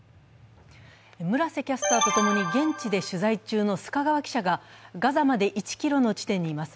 村瀬キャスターと共に現地で取材中の須賀川記者がガザまで１ｋｍの地点にいます。